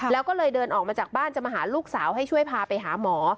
แล้วก็เลยเดินออกมาจากบ้านจะมาหาลูกสาวให้ช่วยพาไปหาหมอ